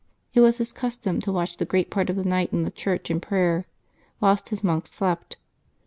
It was his custom to watch the great part of the night in the church in prayer, whilst his monks slept.